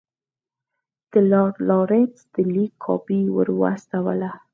د لارډ لارنس د لیک کاپي ورواستوله.